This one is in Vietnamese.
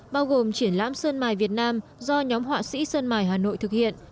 bao gồm triển lãm sơn mài việt nam do nhóm họa sĩ sơn mài hà nội thực hiện